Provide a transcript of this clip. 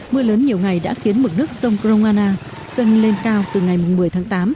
mưa lớn nhiều ngày đã khiến mực nước sông kroana dâng lên cao từ ngày một mươi tháng tám